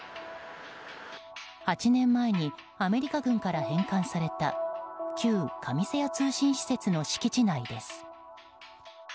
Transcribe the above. ８年前にアメリカ軍から返還された旧上瀬谷通信施設の敷地内です。